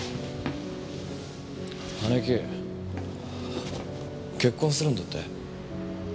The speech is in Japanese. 姉貴結婚するんだって？